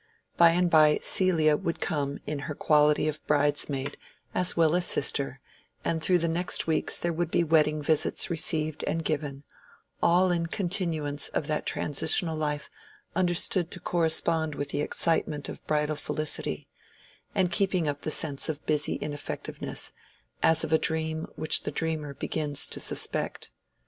By and by Celia would come in her quality of bridesmaid as well as sister, and through the next weeks there would be wedding visits received and given; all in continuance of that transitional life understood to correspond with the excitement of bridal felicity, and keeping up the sense of busy ineffectiveness, as of a dream which the dreamer begins to suspect.